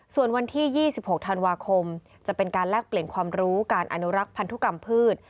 ส่วนวันที่๒๖ธันวาคมจะเป็นการแลกเปลี่ยนความรู้การอนุรักษ์พันธุกรรมพืช